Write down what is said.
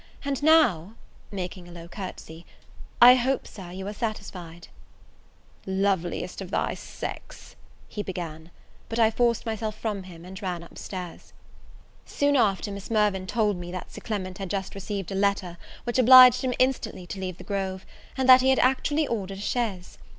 And now," making a low courtesy, "I hope, Sir, you are satisfied." "Loveliest of thy sex " he began; but I forced myself from him and ran upstairs. Soon after Miss Mirvan told me that Sir Clement had just received a letter, which obliged him instantly to leave the Grove, and that he had actually ordered a chaise.